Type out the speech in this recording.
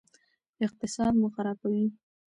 اقتصاد مو خرابوي.